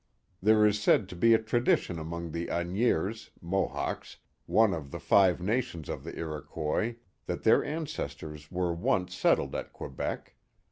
There is said to be a tradition among the Agniers (Mohawks), one of the five nations of the Iroquois, that their ancestors were once settled at Quebec.